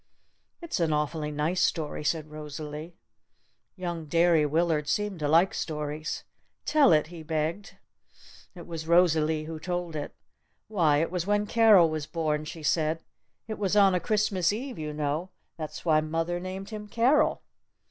"It's an awfully nice story," said Rosalee. Young Derry Willard seemed to like stories. "Tell it!" he begged. It was Rosalee who told it. "Why, it was when Carol was born," she said. "It was on a Christmas eve, you know. That's why mother named him Carol!"